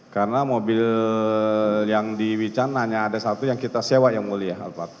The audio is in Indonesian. karena mobil yang di wican hanya ada satu yang kita sewa yang mulia